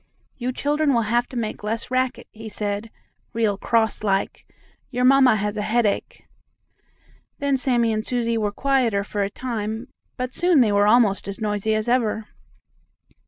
"You children will have to make less racket," he said, real cross like. "Your mamma has a headache." Then Sammie and Susie were quieter for a time, but soon they were almost as noisy as ever.